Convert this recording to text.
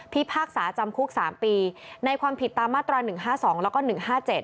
พากษาจำคุก๓ปีในความผิดตามมาตรา๑๕๒แล้วก็๑๕๗